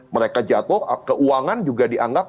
mereka jatuh keuangan juga dianggap